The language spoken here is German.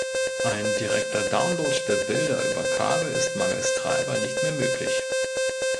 Ein direkter Download der Bilder über Kabel ist mangels Treiber nicht mehr möglich.